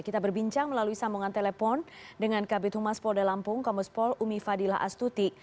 kita berbincang melalui sambungan telepon dengan kabupaten rumah spol lampung komus pol umi fadila astuti